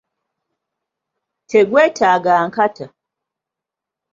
Tegwetaaga nkata.